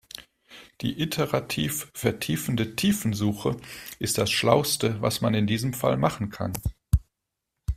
Die iterativ vertiefende Tiefensuche ist das schlauste, was man in diesem Fall machen kann.